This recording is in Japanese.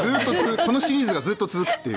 このシリーズがずっと続くという。